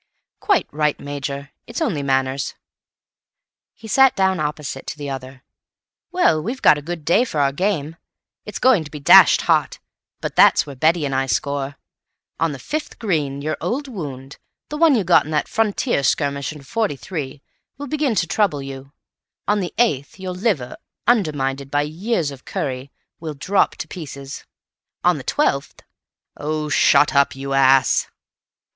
"Quite right, Major; it's only manners." He sat down opposite to the other. "Well, we've got a good day for our game. It's going to be dashed hot, but that's where Betty and I score. On the fifth green, your old wound, the one you got in that frontier skirmish in '43, will begin to trouble you; on the eighth, your liver, undermined by years of curry, will drop to pieces; on the twelfth—" "Oh, shut up, you ass!"